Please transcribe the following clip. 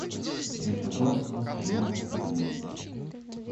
Встреча Вронского с Карениным в подъезде.